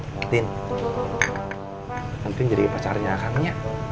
entin nanti jadi pacarnya akan ya